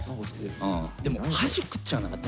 でも箸食っちゃわなかった？